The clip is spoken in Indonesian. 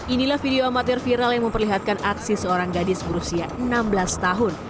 inilah video amatir viral yang memperlihatkan aksi seorang gadis berusia enam belas tahun